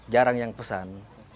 jarang yang pesan